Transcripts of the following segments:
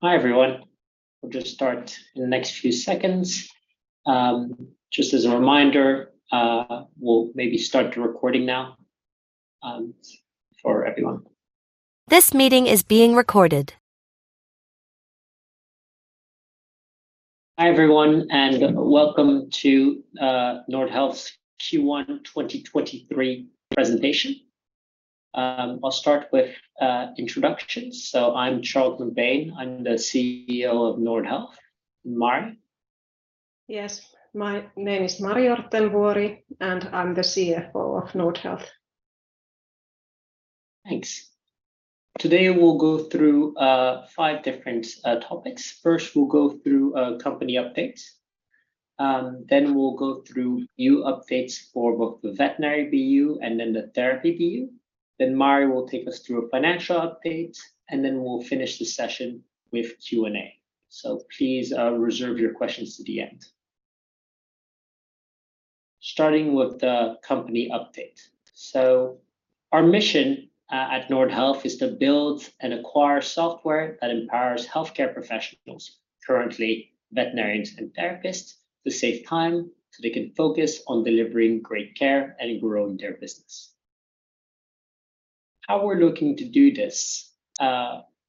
Hi, everyone, and welcome to Nordhealth's Q1 2023 presentation. I'll start with introductions. I'm Charles MacBain. I'm the CEO of Nordhealth. Mari? Yes. My name is Mari Orttenvuori, and I'm the CFO of Nordhealth. Thanks. Today, we'll go through five different topics. First, we'll go through a company update. We'll go through new updates for both the veterinary BU and then the therapy BU. Mari will take us through a financial update, and then we'll finish the session with Q&A. Please reserve your questions to the end. Starting with the company update. Our mission at Nordhealth is to build and acquire software that empowers healthcare professionals, currently veterinarians and therapists, to save time, so they can focus on delivering great care and growing their business. How we're looking to do this,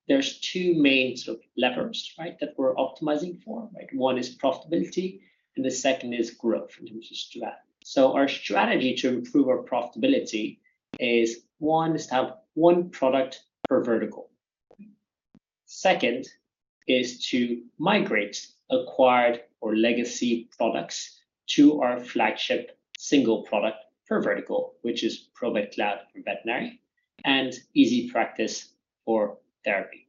there's two main sort of levers, right? That we're optimizing for, right? One is profitability, and the second is growth, which is strategy. Our strategy to improve our profitability is one, is to have one product per vertical. Second is to migrate acquired or legacy products to our flagship single product per vertical, which is Provet Cloud for veterinary and EasyPractice for therapy.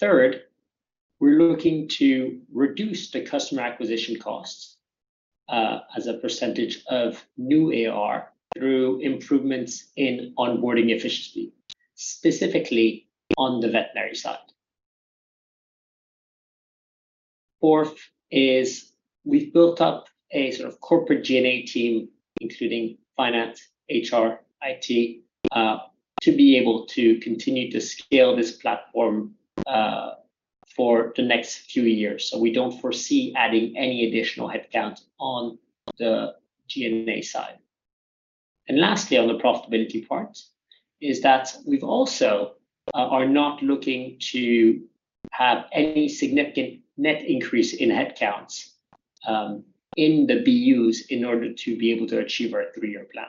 Third, we're looking to reduce the customer acquisition costs as a percentage of new AR through improvements in onboarding efficiency, specifically on the veterinary side. Fourth is we've built up a sort of corporate G&A team, including finance, HR, IT, to be able to continue to scale this platform for the next few years. We don't foresee adding any additional headcount on the G&A side. Lastly, on the profitability part is that we've also, are not looking to have any significant net increase in headcounts in the BUs in order to be able to achieve our three-year plan.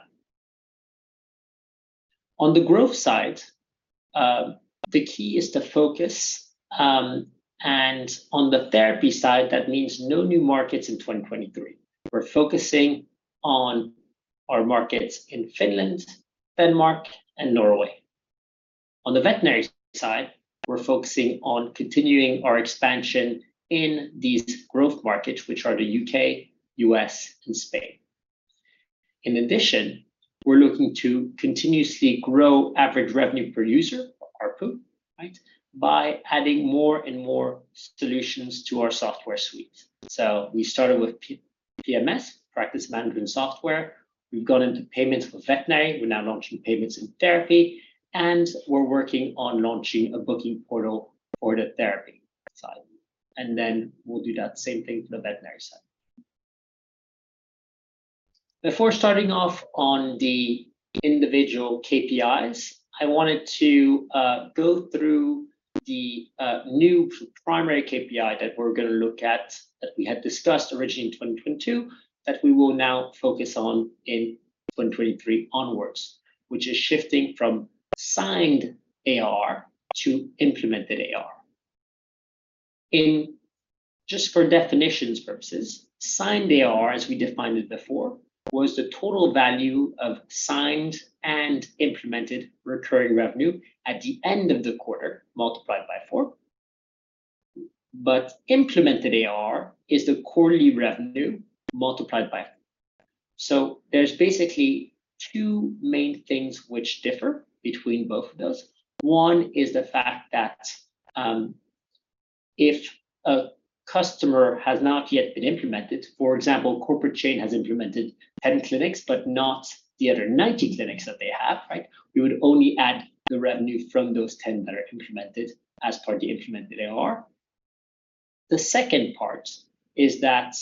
On the growth side, the key is to focus. On the therapy side, that means no new markets in 2023. We're focusing on our markets in Finland, Denmark, and Norway. On the veterinary side, we're focusing on continuing our expansion in these growth markets, which are the U.K., U.S., and Spain. In addition, we're looking to continuously grow average revenue per user, or ARPU, right? By adding more and more solutions to our software suite. We started with PMS, practice management software. We've gone into payments for veterinary. We're now launching payments in therapy, and we're working on launching a booking portal for the therapy side. Then we'll do that same thing for the veterinary side. Before starting off on the individual KPIs, I wanted to go through the new primary KPI that we are going to look at, that we had discussed originally in 2022, that we will now focus on in 2023 onwards, which is shifting from signed AR to implemented AR. Just for definitions purposes, signed AR, as we defined it before, was the total value of signed and implemented recurring revenue at the end of the quarter, multiplied by four. Implemented AR is the quarterly revenue multiplied by four. There is basically two main things which differ between both of those. One is the fact that, if a customer has not yet been implemented, for example, corporate chain has implemented 10 clinics, but not the other 90 clinics that they have, right? We would only add the revenue from those 10 that are implemented as part of the implemented AR. The second part is that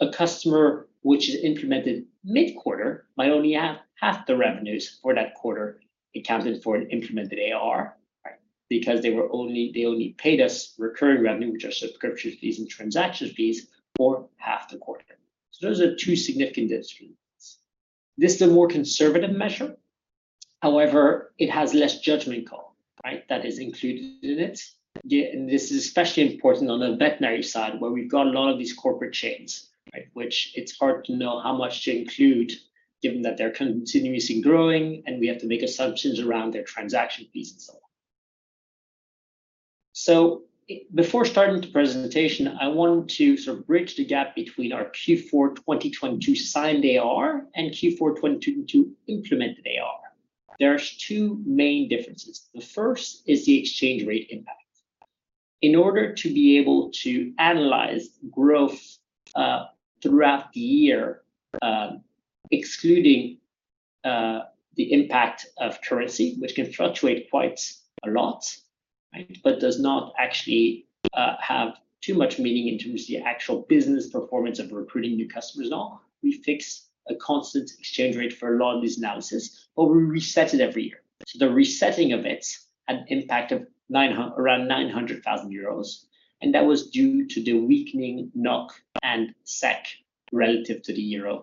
a customer which is implemented mid-quarter might only have half the revenues for that quarter accounted for in implemented AR, right? Because they only paid us recurring revenue, which are subscription fees and transaction fees for half the quarter. Those are two significant differences. This is a more conservative measure. However, it has less judgment call, right? That is included in it. This is especially important on the veterinary side, where we've got a lot of these corporate chains, right? Which it's hard to know how much to include given that they're continuously growing, and we have to make assumptions around their transaction fees and so on. Before starting the presentation, I want to sort of bridge the gap between our Q4 2022 signed ARR and Q4 2022 implemented ARR. There's two main differences. The first is the exchange rate impact. In order to be able to analyze growth throughout the year, excluding the impact of currency which can fluctuate quite a lot, right? Does not actually have too much meaning in terms of the actual business performance of recruiting new customers at all. We fix a constant exchange rate for a lot of this analysis, but we reset it every year. The resetting of it had an impact of around 900,000 euros, and that was due to the weakening NOK and SEK relative to the EUR.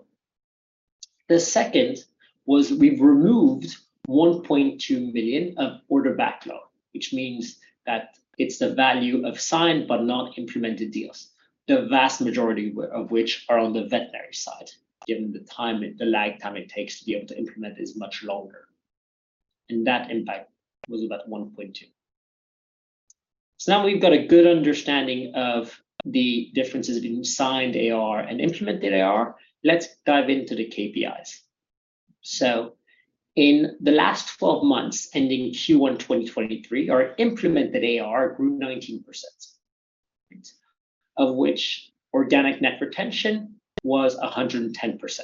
The second was we've removed 1.2 million of order backlog, which means that it's the value of signed but not implemented deals. The vast majority of which are on the veterinary side, given the time, the lag time it takes to be able to implement is much longer. That impact was about 1.2. Now we've got a good understanding of the differences between signed AR and implemented AR, let's dive into the KPIs. In the last 12 months, ending Q1 2023, our implemented AR grew 19%. Of which organic net retention was 110%.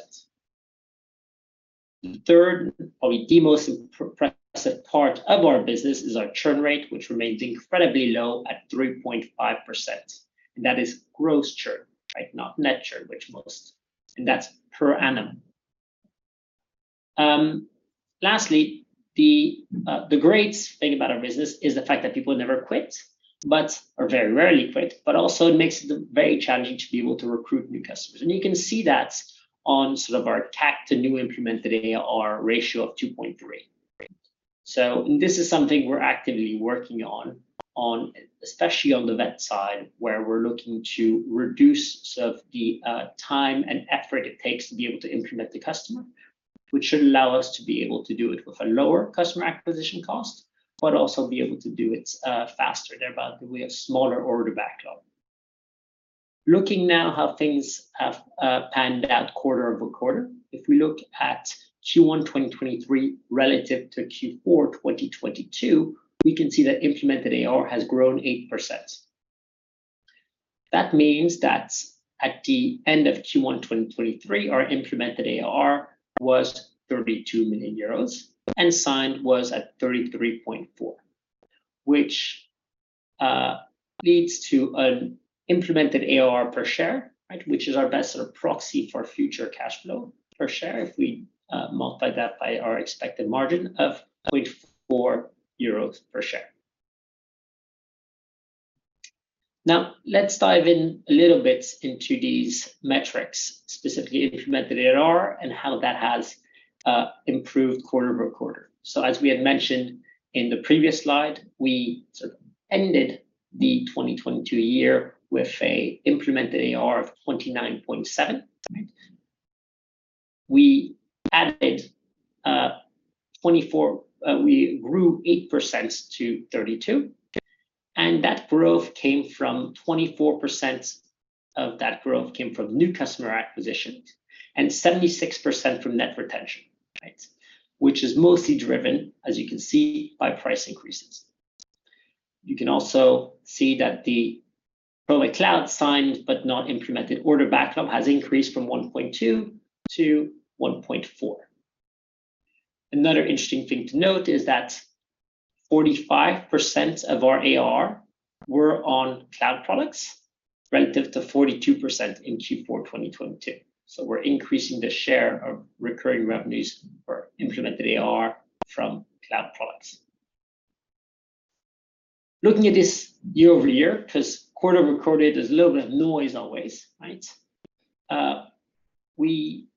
The third, probably the most impressive part of our business is our churn rate, which remains incredibly low at 3.5%. That is gross churn, right? Not net churn, which most. That's per annum. Lastly, the great thing about our business is the fact that people never quit, but or very rarely quit. Also it makes it very challenging to be able to recruit new customers. You can see that on sort of our CAC to new implemented ARR ratio of 2.3. This is something we're actively working on, especially on the vet side, where we're looking to reduce some of the time and effort it takes to be able to implement the customer, which should allow us to be able to do it with a lower customer acquisition cost, but also be able to do it faster, thereby we have smaller order backlog. Looking now how things have panned out quarter-over-quarter. We look at Q1 2023 relative to Q4 2022, we can see that implemented ARR has grown 8%. That means that at the end of Q1 2023, our implemented ARR was 32 million euros and signed ARR was at 33.4 million, which leads to an implemented ARR per share, right? Which is our best sort of proxy for future cash flow per share. If we multiply that by our expected margin of 0.4 euros per share. Let's dive in a little bit into these metrics, specifically implemented ARR and how that has improved quarter-over-quarter. As we had mentioned in the previous slide, we sort of ended the 2022 year with a implemented ARR of 29.7 million. We grew 8% to 32 million. That growth came from 24% of that growth came from new customer acquisitions and 76% from net retention, right? Which is mostly driven, as you can see, by price increases. You can also see that the Provet Cloud signed, but not implemented order backlog has increased from 1.2 to 1.4. Another interesting thing to note is that 45% of our AR were on cloud products, relative to 42% in Q4 2022. We're increasing the share of recurring revenues or implemented AR from cloud products. Looking at this year-over-year 'cause quarter-over-quarter there's a little bit of noise always, right? We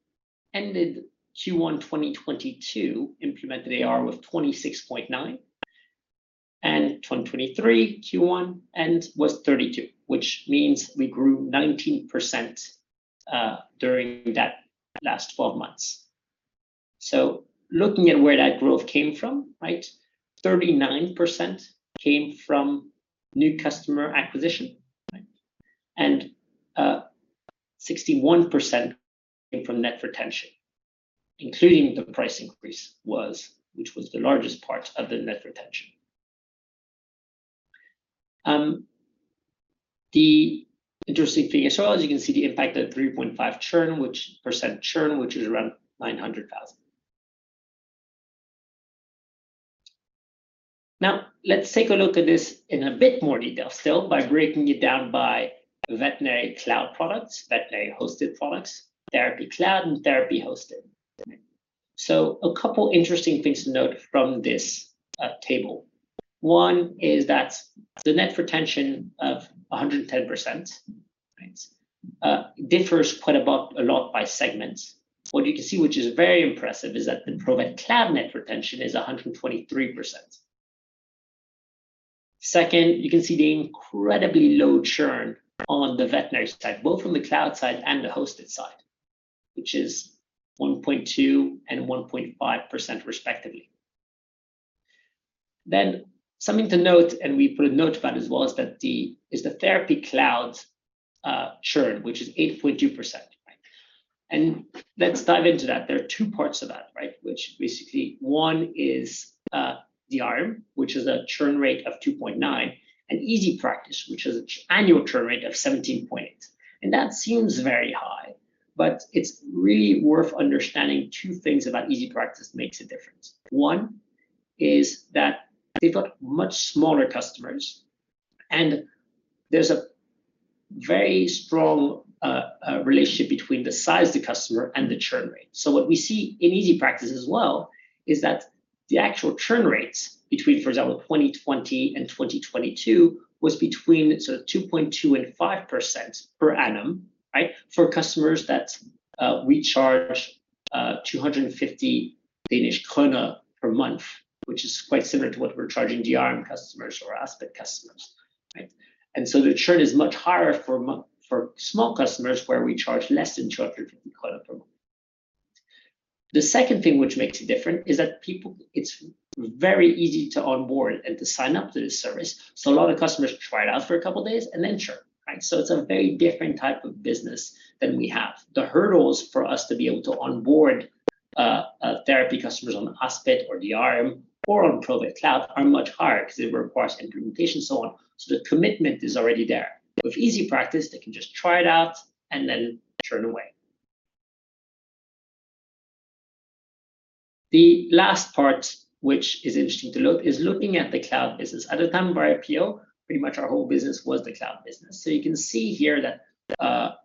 ended Q1 2022 implemented AR with 26.9 million, and 2023 Q1 end was 32 million, which means we grew 19% during that last 12 months. Looking at where that growth came from, right? 39% came from new customer acquisition, right? 61% came from net retention, including the price increase which was the largest part of the net retention. The interesting thing as well as you can see the impact of 3.5% churn, which is around 900,000. Let's take a look at this in a bit more detail still, by breaking it down by veterinary cloud products, veterinary hosted products, therapy cloud and therapy hosted. A couple interesting things to note from this table. One is that the net retention of 110%, differs quite above a lot by segment. What you can see, which is very impressive, is that the Provet Cloud net retention is 123%. Second, you can see the incredibly low churn on the veterinary side, both from the cloud side and the hosted side, which is 1.2% and 1.5% respectively. Something to note, and we put a note to that as well, is that the therapy cloud churn, which is 8.2%, right? Let's dive into that. There are two parts of that, right? Which basically one is DRM, which is a churn rate of 2.9%, and EasyPractice, which is an annual churn rate of 17.8%. That seems very high, but it's really worth understanding two things about EasyPractice makes a difference. One is that they've got much smaller customers, and there's a very strong relationship between the size of the customer and the churn rate. What we see in EasyPractice as well is that the actual churn rates between, for example, 2020 and 2022 was between sort of 2.2% and 5% per annum, right. For customers that we charge 250 Danish krone per month, which is quite similar to what we're charging DRM customers or Aspit customers, right. The churn is much higher for small customers, where we charge less than 250 per month. The second thing which makes it different is that it's very easy to onboard and to sign up to this service. A lot of customers try it out for a couple days and then churn, right. It's a very different type of business than we have. The hurdles for us to be able to onboard therapy customers on Aspit or DRM or on Provet Cloud are much higher because it requires implementation and so on. The commitment is already there. With EasyPractice, they can just try it out and then churn away. The last part which is interesting to look is looking at the cloud business. At the time of our IPO, pretty much our whole business was the cloud business. You can see here that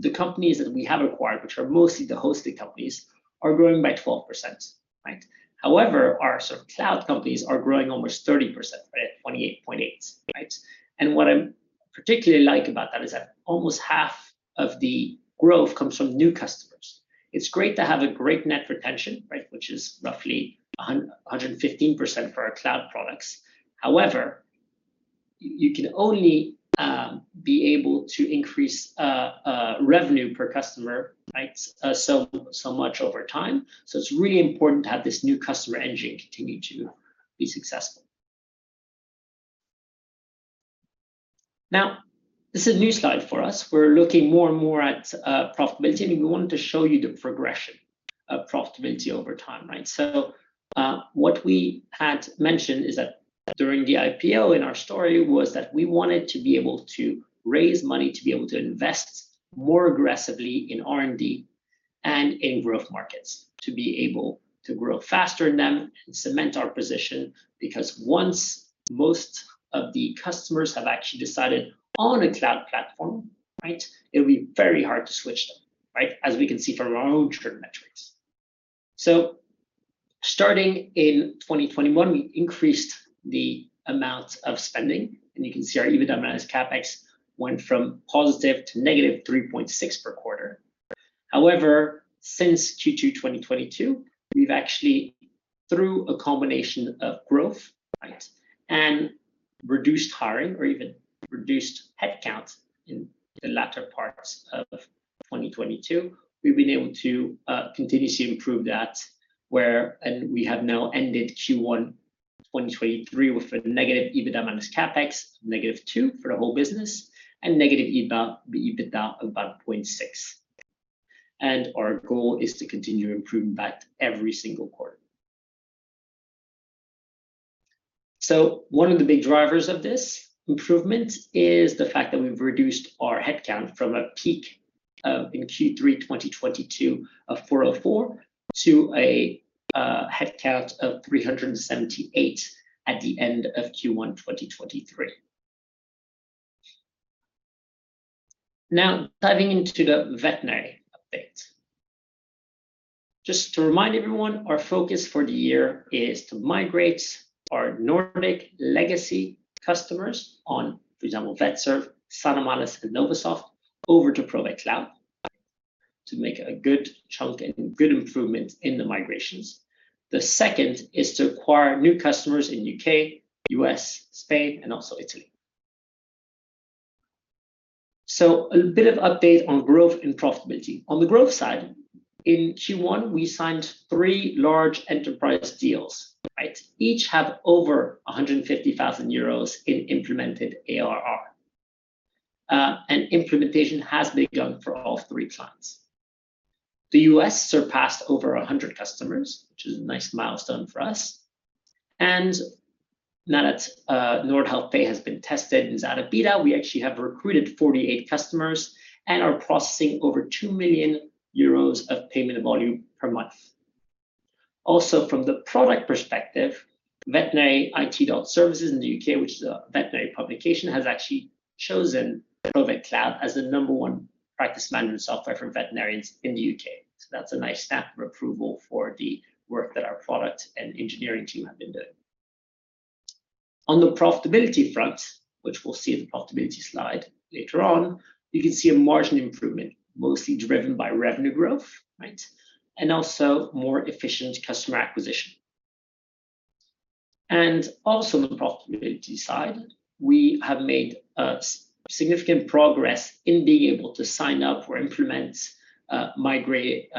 the companies that we have acquired, which are mostly the hosting companies, are growing by 12%, right? However, our sort of cloud companies are growing almost 30%, right at 28.8%, right? What I particularly like about that is that almost half of the growth comes from new customers. It's great to have a great net retention, right, which is roughly 115% for our cloud products. However, you can only be able to increase revenue per customer, right, so much over time. It's really important to have this new customer engine continue to be successful. This is a new slide for us. We're looking more and more at profitability, and we wanted to show you the progression of profitability over time, right? What we had mentioned is that during the IPO in our story was that we wanted to be able to raise money to be able to invest more aggressively in R&D and in growth markets, to be able to grow faster in them and cement our position. Once most of the customers have actually decided on a cloud platform, right, it'll be very hard to switch them, right? As we can see from our own churn metrics. Starting in 2021, we increased the amount of spending, and you can see our EBITDA minus CapEx went from positive to negative 3.6 per quarter. However, since Q2 2022, we've actually, through a combination of growth, right, and reduced hiring or even reduced headcount in the latter parts of 2022, we've been able to continuously improve that, and we have now ended Q1 2023 with a negative EBITDA minus CapEx, negative 2 for the whole business, and negative EBITDA of about 0.6. Our goal is to continue improving that every single quarter. One of the big drivers of this improvement is the fact that we've reduced our headcount from a peak of, in Q3 2022 of 404 to a headcount of 378 at the end of Q1 2023. Now, diving into the veterinary update. Just to remind everyone, our focus for the year is to migrate our Nordic legacy customers on, for example, Vetserve, Sanimalis and Novasoft over to Provet Cloud to make a good chunk and good improvement in the migrations. The second is to acquire new customers in U.K., U.S., Spain and also Italy. A bit of update on growth and profitability. On the growth side, in Q1 we signed three large enterprise deals, right? Each have over 150,000 euros in implemented ARR and implementation has been done for all three clients. The U.S. surpassed over 100 customers, which is a nice milestone for us. Now that Nordhealth Pay has been tested and is out of beta, we actually have recruited 48 customers and are processing over 2 million euros of payment volume per month. Also, from the product perspective, Veterinary IT Services in the U.K., which is a veterinary publication, has actually chosen Provet Cloud as the number one practice management software for veterinarians in the U.K. That's a nice stamp of approval for the work that our product and engineering team have been doing. On the profitability front, which we'll see in the profitability slide later on, you can see a margin improvement, mostly driven by revenue growth, right? And also more efficient customer acquisition. Also on the profitability side, we have made significant progress in being able to sign up or implement, migrate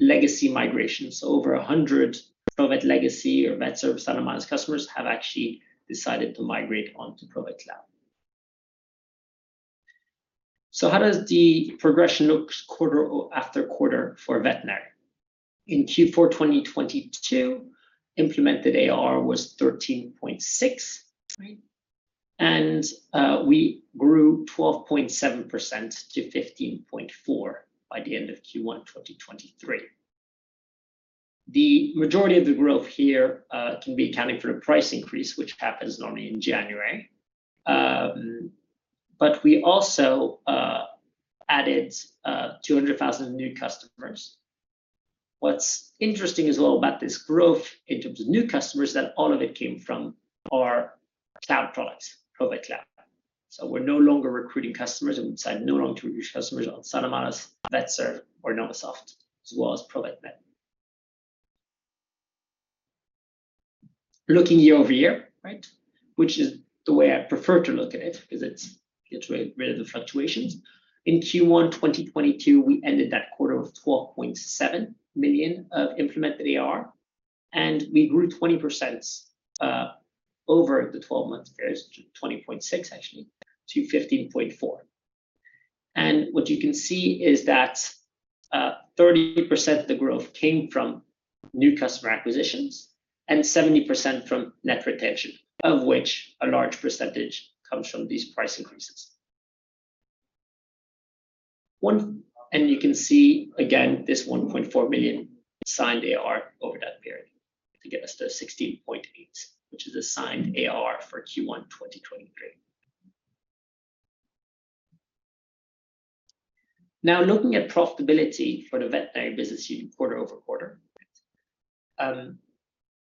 Legacy migrations. Over 100 Provet Legacy or Vetserve Sanimalis customers have actually decided to migrate onto Provet Cloud. How does the progression look quarter after quarter for veterinary? In Q4 2022, implemented ARR was 13.6 million. Right. We grew 12.7% to 15.4 million by the end of Q1 2023. The majority of the growth here can be accounted for a price increase, which happens normally in January. But we also added 200,000 new customers. What's interesting as well about this growth in terms of new customers is that all of it came from our cloud products, Provet Cloud. We're no longer recruiting customers. We signed no long-term customers on Sanimalis, Vetserve, or Novasoft, as well as Provet Legacy. Looking year-over-year, right? Which is the way I prefer to look at it because it gets rid of the fluctuations. In Q1 2022, we ended that quarter with 12.7 million of implemented ARR, and we grew 20% over the 12-month period, 20.6% actually, to 15.4 million. What you can see is that 30% of the growth came from new customer acquisitions and 70% from net retention, of which a large percentage comes from these price increases. You can see again, this 1.4 million signed ARR over that period to get us to 16.8 million, which is signed ARR for Q1 2023. Looking at profitability for the veterinary business unit quarter-over-quarter.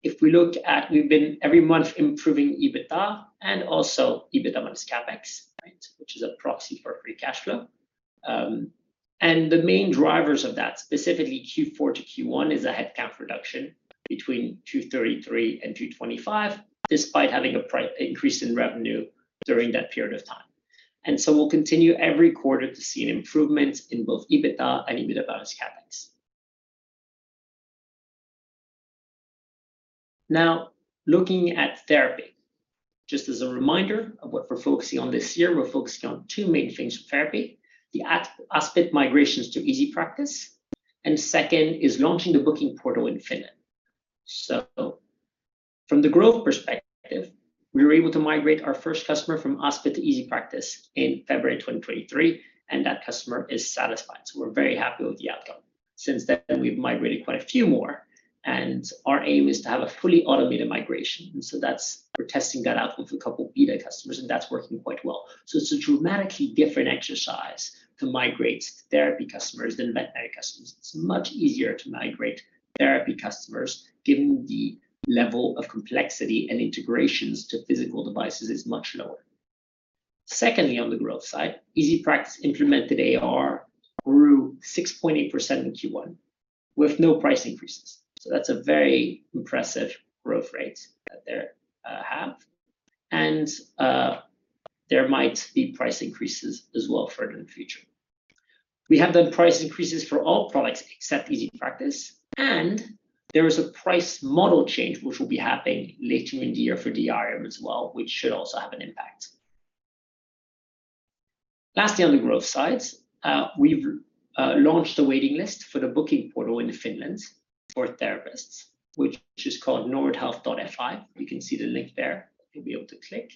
We've been every month improving EBITDA and also EBITDA minus CapEx, right, which is a proxy for free cash flow. The main drivers of that, specifically Q4 to Q1, is a headcount reduction between 233 and 225, despite having an increase in revenue during that period of time. We'll continue every quarter to see an improvement in both EBITDA and EBITDA minus CapEx. Looking at therapy. Just as a reminder of what we're focusing on this year, we're focusing on two main things for therapy. The Aspit migrations to EasyPractice, and second is launching the booking portal in Finland. From the growth perspective, we were able to migrate our first customer from Aspit to EasyPractice in February 2023, and that customer is satisfied. We're very happy with the outcome. Since then, we've migrated quite a few more, and our aim is to have a fully automated migration. We're testing that out with a couple of beta customers, and that's working quite well. It's a dramatically different exercise to migrate therapy customers than veterinary customers. It's much easier to migrate therapy customers, given the level of complexity and integrations to physical devices is much lower. Secondly, on the growth side, EasyPractice implemented AR grew 6.8% in Q1 with no price increases. That's a very impressive growth rate that they have. There might be price increases as well for the future. We have done price increases for all products except EasyPractice, and there is a price model change which will be happening later in the year for DRM as well, which should also have an impact. Lastly, on the growth side, we've launched a waiting list for the booking portal in Finland for therapists, which is called Nordhealth.fi. You can see the link there. You'll be able to click.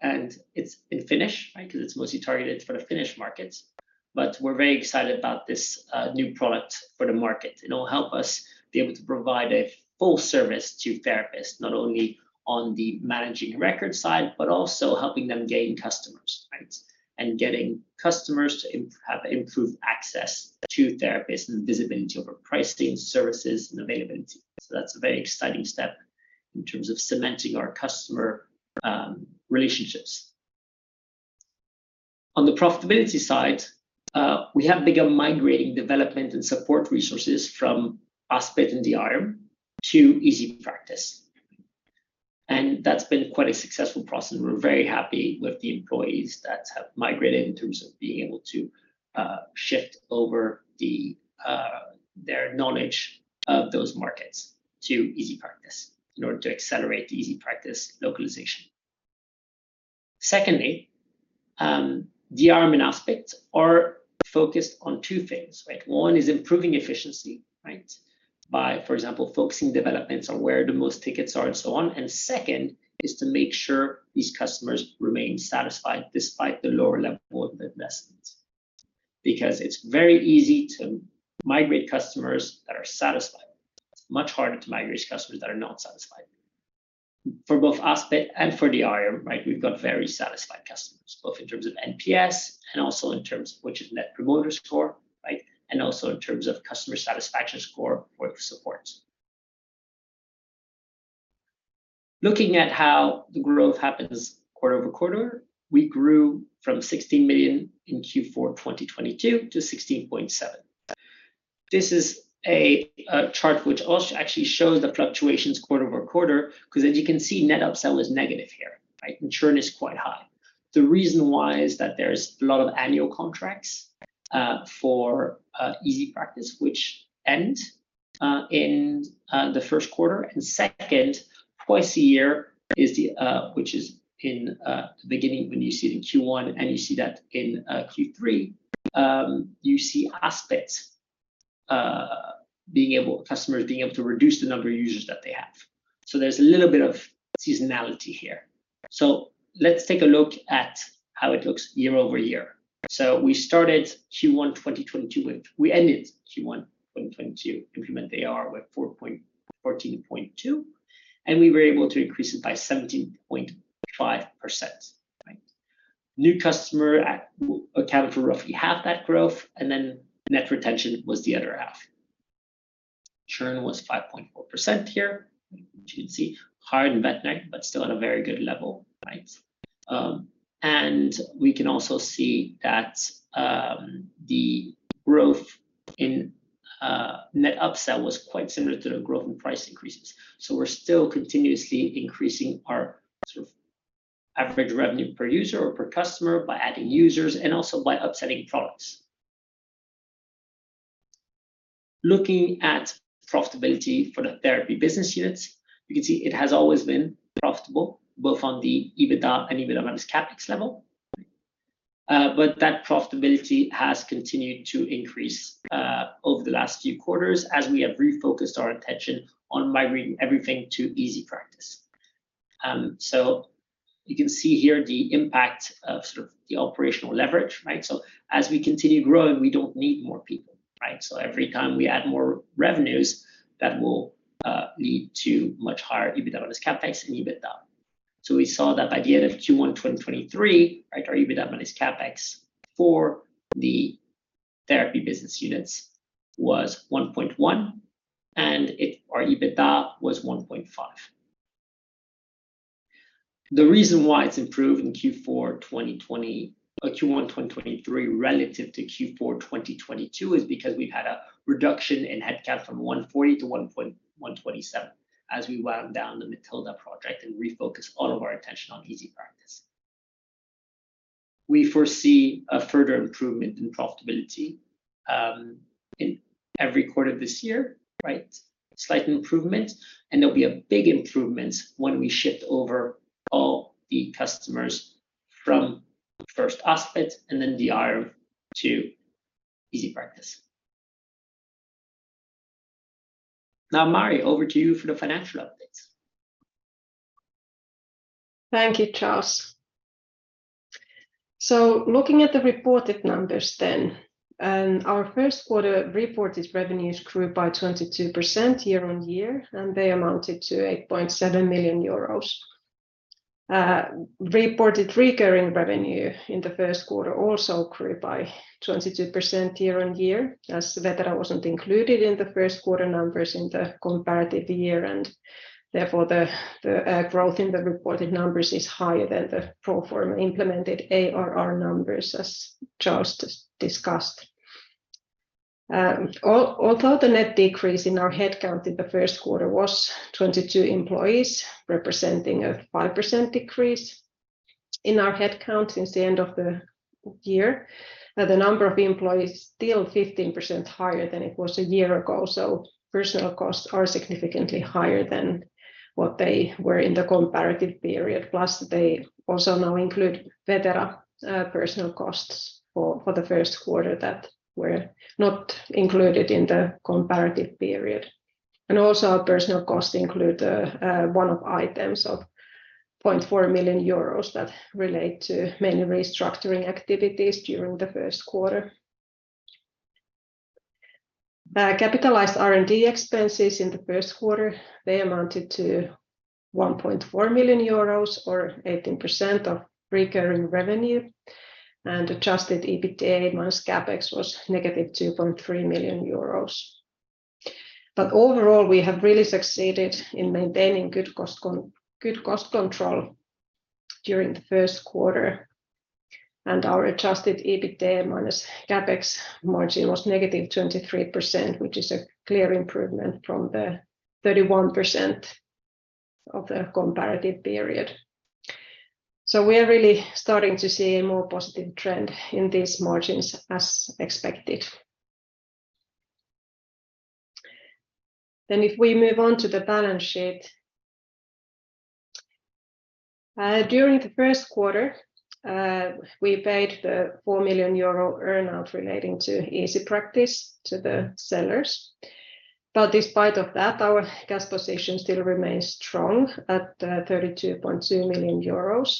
It's in Finnish, right? Because it's mostly targeted for the Finnish markets. We're very excited about this new product for the market. It'll help us be able to provide a full service to therapists, not only on the managing record side, but also helping them gain customers, right? Getting customers to have improved access to therapists and visibility over pricing, services, and availability. That's a very exciting step in terms of cementing our customer relationships. On the profitability side, we have begun migrating development and support resources from Aspit and DRM to EasyPractice. That's been quite a successful process. We're very happy with the employees that have migrated in terms of being able to shift over their knowledge of those markets to EasyPractice in order to accelerate the EasyPractice localization. DRM and Aspit are focused on two things, right? One is improving efficiency, right? By, for example, focusing developments on where the most tickets are and so on. Second is to make sure these customers remain satisfied despite the lower level of investments. It's very easy to migrate customers that are satisfied. It's much harder to migrate customers that are not satisfied. For both Aspit and for DRM, right? We've got very satisfied customers, both in terms of NPS, which is Net Promoter Score, right? Also in terms of customer satisfaction score for the supports. Looking at how the growth happens quarter-over-quarter, we grew from 16 million in Q4 2022 to 16.7 million. This is a chart which actually shows the fluctuations quarter-over-quarter, because as you can see, net upsell is negative here, right? Churn is quite high. The reason why is that there's a lot of annual contracts for EasyPractice which end in the first quarter and second twice a year, which is in the beginning when you see the Q1 and you see that in Q3. You see Aspit, customers being able to reduce the number of users that they have. There's a little bit of seasonality here. Let's take a look at how it looks year-over-year. We ended Q1 2022, implemented ARR with 14.2, and we were able to increase it by 17.5%. New customer accounted for roughly half that growth, and then net retention was the other half. Churn was 5.4% here, which you can see. Higher than net retention, but still at a very good level, right? And we can also see that the growth in net upsell was quite similar to the growth in price increases. We're still continuously increasing our sort of average revenue per user or per customer by adding users and also by upselling products. Looking at profitability for the therapy business units, you can see it has always been profitable, both on the EBITDA and EBITDA minus CapEx level. That profitability has continued to increase over the last few quarters as we have refocused our attention on migrating everything to EasyPractice. You can see here the impact of sort of the operational leverage, right? As we continue growing, we don't need more people, right? Every time we add more revenues, that will lead to much higher EBITDA minus CapEx and EBITDA. We saw that by the end of Q1 2023, right, our EBITDA minus CapEx for the therapy business units was 1.1. Our EBITDA was 1.5. The reason why it's improved in Q1 2023 relative to Q4 2022 is because we've had a reduction in headcount from 140 to 127 as we wound down the Matilda project and refocused all of our attention on EasyPractice. We foresee a further improvement in profitability in every quarter of this year, right? Slight improvement, there'll be a big improvement when we shift over all the customers from first Aspit and then Diarium to EasyPractice. Mari, over to you for the financial updates. Thank you, Charles. Looking at the reported numbers then, our first quarter reported revenues grew by 22% year-on-year, and they amounted to 8.7 million euros. Reported recurring revenue in the first quarter also grew by 22% year-on-year, as Vetera wasn't included in the first quarter numbers in the comparative year, and therefore the growth in the reported numbers is higher than the pro forma implemented ARR numbers, as Charles just discussed. Although the net decrease in our headcount in the first quarter was 22 employees, representing a 5% decrease in our headcount since the end of the year, the number of employees still 15% higher than it was a year ago. Personal costs are significantly higher than what they were in the comparative period. Plus, they also now include Vetera personal costs for the first quarter that were not included in the comparative period. Also our personal costs include one-off items of 0.4 million euros that relate to mainly restructuring activities during the first quarter. Capitalized R&D expenses in the first quarter, they amounted to 1.4 million euros or 18% of recurring revenue. Adjusted EBITDA minus CapEx was negative 2.3 million euros. Overall, we have really succeeded in maintaining good cost control during the first quarter. Our adjusted EBITDA minus CapEx margin was -23%, which is a clear improvement from the 31% of the comparative period. We are really starting to see a more positive trend in these margins as expected. If we move on to the balance sheet. During the first quarter, we paid the 4 million euro earn-out relating to EasyPractice to the sellers. Despite of that, our cash position still remains strong at 32.2 million euros.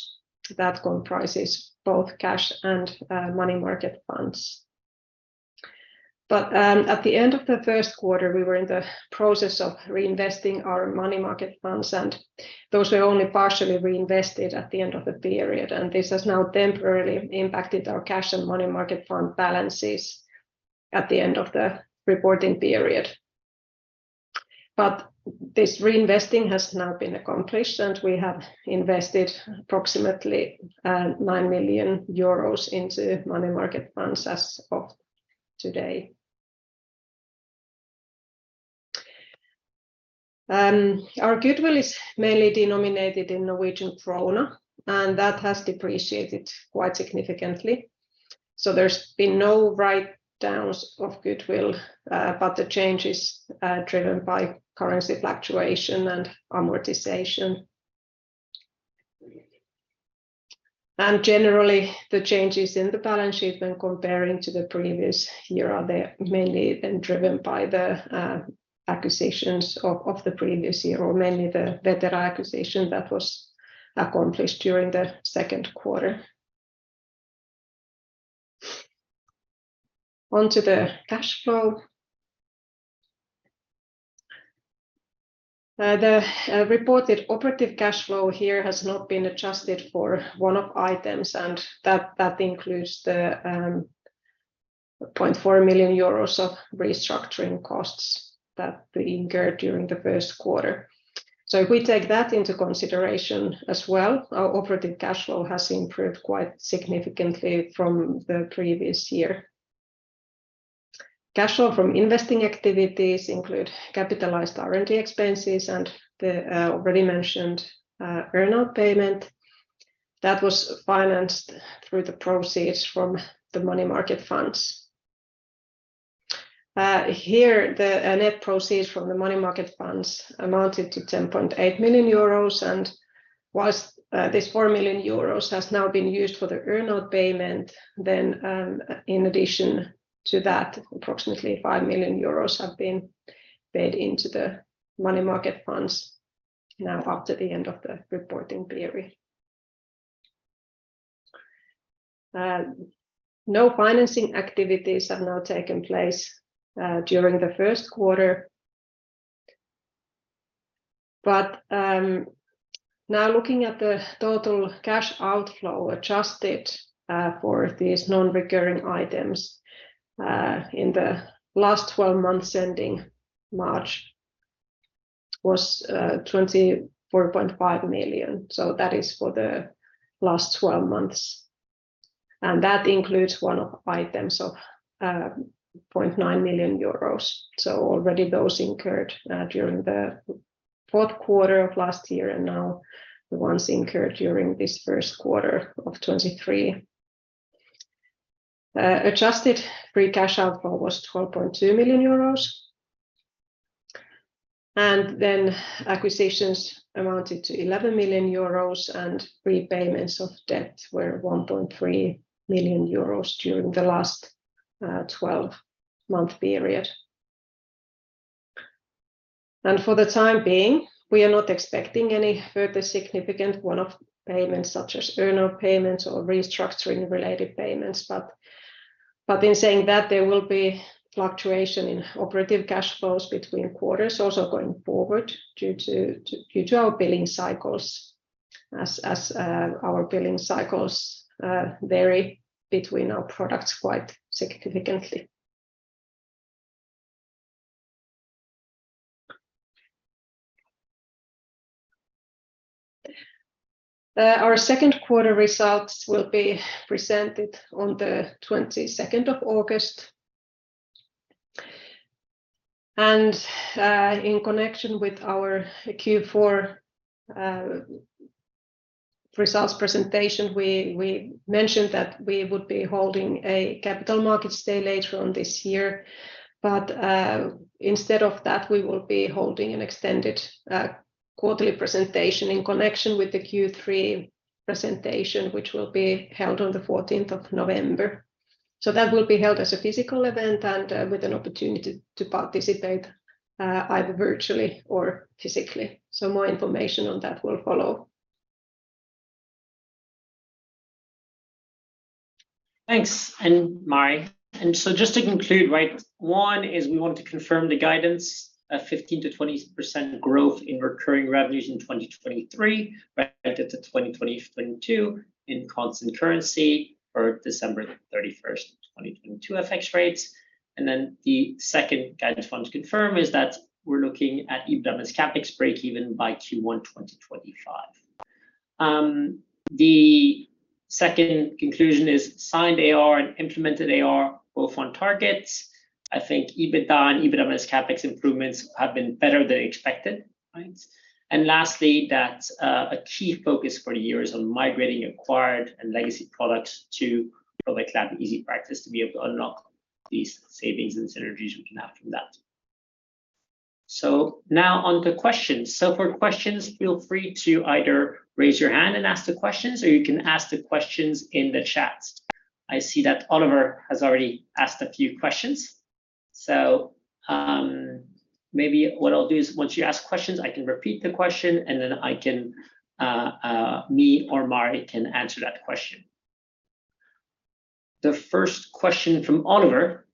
That comprises both cash and money market funds. At the end of the first quarter, we were in the process of reinvesting our money market funds, and those were only partially reinvested at the end of the period. This has now temporarily impacted our cash and money market fund balances at the end of the reporting period. This reinvesting has now been accomplished, and we have invested approximately 9 million euros into money market funds as of today. Our goodwill is mainly denominated in Norwegian kroner, and that has depreciated quite significantly. There's been no write-downs of goodwill, but the change is driven by currency fluctuation and amortization. Generally, the changes in the balance sheet when comparing to the previous year are mainly been driven by the acquisitions of the previous year, or mainly the Vetera acquisition that was accomplished during the second quarter. On to the cash flow. The reported operative cash flow here has not been adjusted for one-off items, and that includes the 0.4 million euros of restructuring costs that we incurred during the first quarter. If we take that into consideration as well, our operative cash flow has improved quite significantly from the previous year. Cash flow from investing activities include capitalized R&D expenses and the already mentioned earn-out payment that was financed through the proceeds from the money market funds. Here the net proceeds from the money market funds amounted to 10.8 million euros, whilst this 4 million euros has now been used for the earn-out payment, in addition to that, approximately 5 million euros have been paid into the money market funds now up to the end of the reporting period. No financing activities have now taken place during the first quarter. Now looking at the total cash outflow adjusted for these non-recurring items in the last 12 months ending March was 24.5 million. That is for the last 12 months. That includes one-off items of 0.9 million euros. Already those incurred during the fourth quarter of last year, and now the ones incurred during this first quarter of 2023. Adjusted free cash outflow was 12.2 million euros. Acquisitions amounted to 11 million euros, and repayments of debt were 1.3 million euros during the last 12-month period. For the time being, we are not expecting any further significant one-off payments such as earn-out payments or restructuring-related payments. In saying that, there will be fluctuation in operative cash flows between quarters also going forward due to our billing cycles as our billing cycles vary between our products quite significantly. Our second quarter results will be presented on the August 22nd. In connection with our Q4 results presentation, we mentioned that we would be holding a capital markets day later on this year. Instead of that, we will be holding an extended quarterly presentation in connection with the Q3 presentation, which will be held on the November 14th. That will be held as a physical event and with an opportunity to participate either virtually or physically. More information on that will follow. Thanks. Mari, just to conclude, right, one is we want to confirm the guidance of 15%-20% growth in recurring revenues in 2023, right, to 2022 in constant currency for December 31st, 2022 FX rates. The second guidance we want to confirm is that we're looking at EBITDA less CapEx breakeven by Q1 2025. The second conclusion is signed ARR and implemented ARR both on targets. I think EBITDA and EBITDA less CapEx improvements have been better than expected, right? Lastly, that a key focus for the year is on migrating acquired and legacy products to Product Lab EasyPractice to be able to unlock these savings and synergies we can have from that. Now on to questions. For questions, feel free to either raise your hand and ask the questions, or you can ask the questions in the chat. I see that Oliver has already asked a few questions. Maybe what I'll do is once you ask questions, I can repeat the question, and then I can, me or Mari can answer that question. The first question from Oliver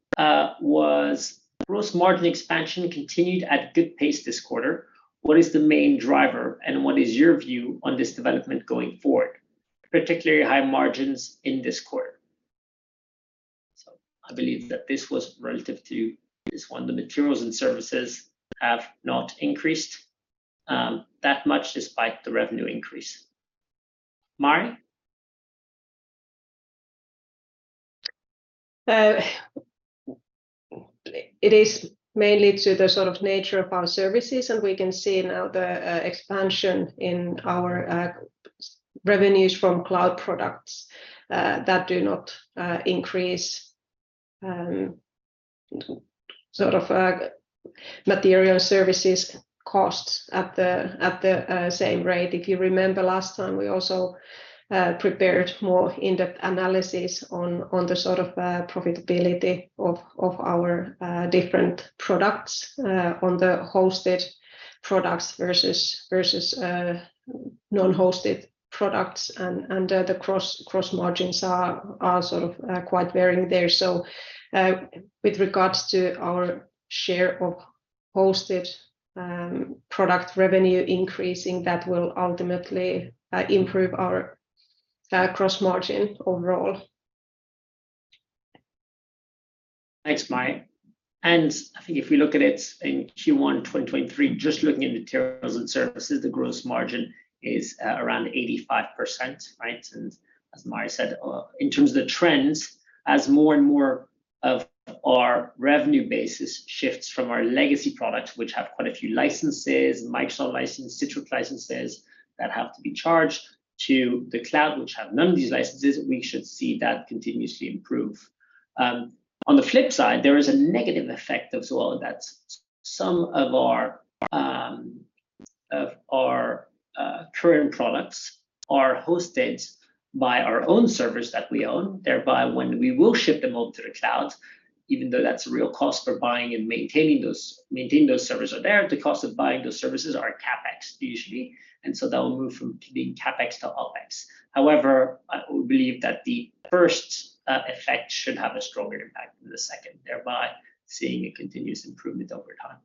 was, "Gross margin expansion continued at good pace this quarter. What is the main driver, and what is your view on this development going forward, particularly high margins in this quarter?" I believe that this was relative to this one. The materials and services have not increased that much despite the revenue increase. Mari? It is mainly to the sort of nature of our services. We can see now the expansion in our revenues from cloud products that do not increase sort of material services costs at the same rate. If you remember last time we also prepared more in-depth analysis on the sort of profitability of our different products on the hosted products versus non-hosted products and the cross margins are sort of quite varying there. With regards to our share of hosted product revenue increasing, that will ultimately improve our cross margin overall. Thanks, Mari. I think if we look at it in Q1 2023, just looking at materials and services, the gross margin is around 85%, right? As Mari said, in terms of the trends, as more and more of our revenue basis shifts from our legacy products, which have quite a few licenses, Microsoft license, Citrix licenses that have to be charged to the cloud, which have none of these licenses, we should see that continuously improve. On the flip side, there is a negative effect as well, that some of our current products are hosted by our own servers that we own, thereby when we will ship them all to the cloud, even though that's a real cost for buying and maintaining those servers are there, the cost of buying those services are CapEx usually, and so that will move from being CapEx to OpEx. However, I believe that the first effect should have a stronger impact than the second, thereby seeing a continuous improvement over time.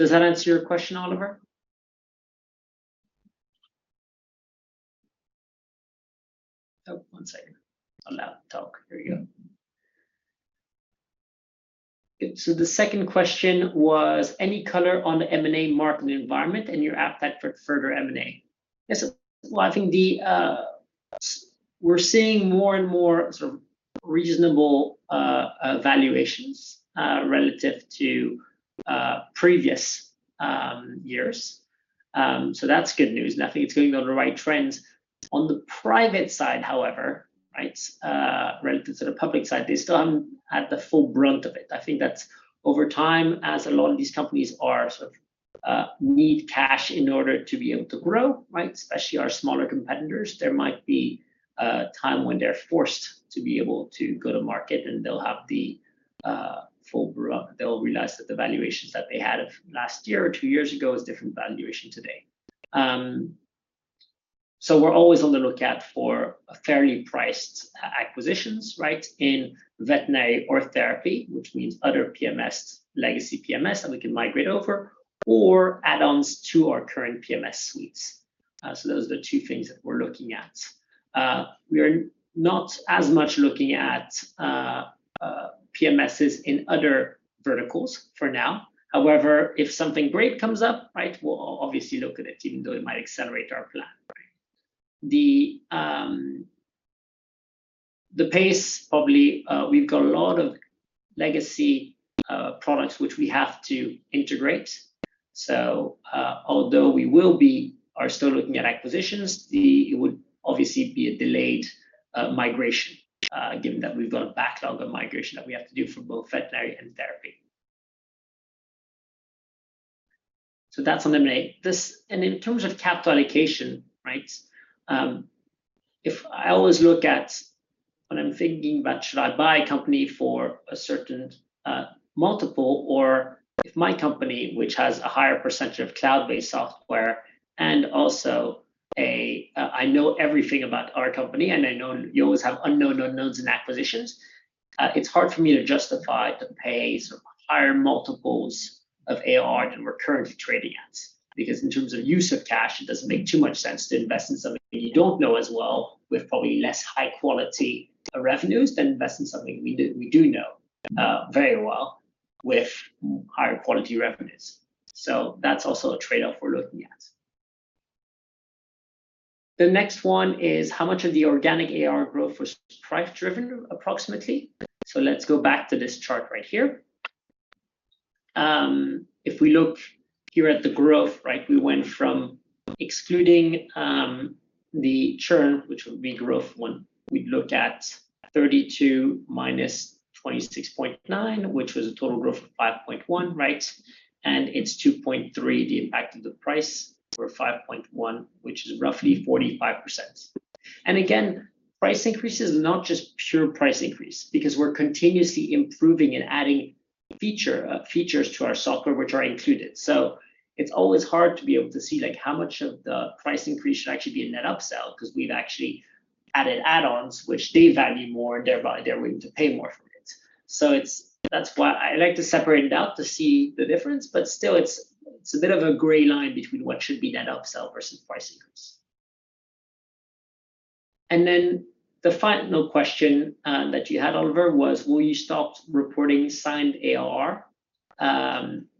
Does that answer your question, Oliver? One second. Allow to talk. Here we go. The second question was any color on the M&A market environment and your appetite for further M&A? Yes. Well, I think the we're seeing more and more sort of reasonable valuations relative to previous years. That's good news, and I think it's going on the right trends. On the private side, however, right, relative to the public side, they still haven't had the full brunt of it. I think that's over time, as a lot of these companies are sort of need cash in order to be able to grow, right, especially our smaller competitors, there might be a time when they're forced to be able to go to market and they'll have the full brunt. They'll realize that the valuations that they had of last year or two years ago is different valuation today. We're always on the lookout for fairly priced acquisitions, right, in veterinary or therapy, which means other PMS, legacy PMS that we can migrate over or add-ons to our current PMS suites. Those are the two things that we're looking at. We are not as much looking at PMSs in other verticals for now. However, if something great comes up, right, we'll obviously look at it, even though it might accelerate our plan. The pace, probably, we've got a lot of legacy products which we have to integrate. Although we are still looking at acquisitions, it would obviously be a delayed migration, given that we've got a backlog of migration that we have to do for both veterinary and therapy. That's on M&A. In terms of capital allocation, right, if I always look at when I'm thinking about should I buy a company for a certain multiple, or if my company, which has a higher percentage of cloud-based software and also a, I know everything about our company, and I know you always have unknown unknowns in acquisitions, it's hard for me to justify to pay some higher multiples of AR than we're currently trading at. In terms of use of cash, it doesn't make too much sense to invest in something that you don't know as well with probably less high quality revenues than invest in something we do know very well with higher quality revenues. That's also a trade-off we're looking at. The next one is how much of the organic AR growth was price-driven approximately. Let's go back to this chart right here. If we look here at the growth, right, we went from excluding the churn, which would be growth when we looked at 32 million minus 26.9 milion, which was a total growth of 5.1 million, right? It's 2.3, the impact of the price for 5.1 million, which is roughly 45%. Again, price increase is not just pure price increase because we're continuously improving and adding features to our software, which are included. It's always hard to be able to see, like, how much of the price increase should actually be a net upsell because we've actually added add-ons, which they value more and thereby they're willing to pay more for it. That's why I like to separate it out to see the difference, but still it's a bit of a gray line between what should be net upsell versus price increase. The final question that you had, Oliver, was will you stop reporting signed ARR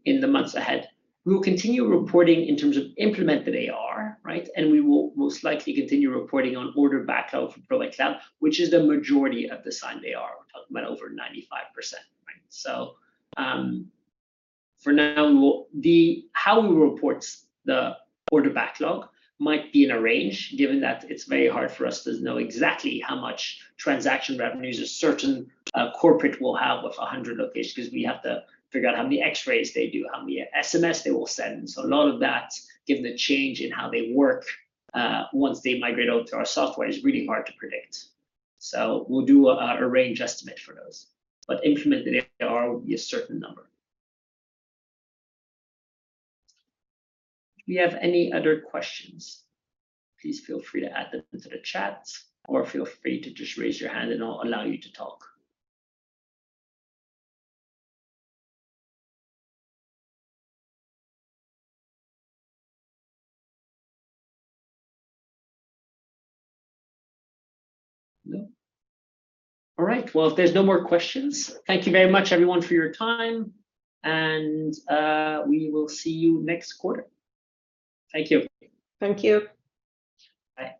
in the months ahead? We will continue reporting in terms of implemented ARR, right, and we will, most likely continue reporting on order backlog for Provet Cloud, which is the majority of the signed ARR. We're talking about over 95%, right? For now, how we report the order backlog might be in a range, given that it's very hard for us to know exactly how much transaction revenues a certain corporate will have of 100 locations because we have to figure out how many X-rays they do, how many SMS they will send. A lot of that, given the change in how they work, once they migrate over to our software, is really hard to predict. We'll do a range estimate for those. Implemented ARR will be a certain number. If you have any other questions, please feel free to add them to the chat or feel free to just raise your hand and I'll allow you to talk. No? All right. Well, if there's no more questions, thank you very much everyone for your time, and we will see you next quarter. Thank you. Thank you. Bye.